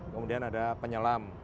kemudian ada penyelam